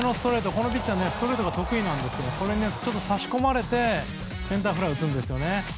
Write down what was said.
このピッチャーはストレートが得意なんですけどちょっと差し込まれてセンターフライを打つんですよね。